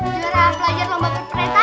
juara pelajar lomba perpretasi mak